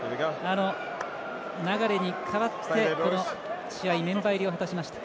流に代わって、この試合メンバー入りを果たしました。